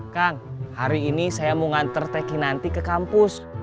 kang hari ini saya mau nganter teki nanti ke kampus